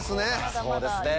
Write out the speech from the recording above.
そうですね。